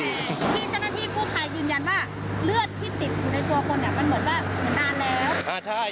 พี่จำนวนพี่ผู้ไขยื้มยัญว่าเลือดที่ติดอยู่ในตัวคนเนี่ยมันเหมือนตายแล้ว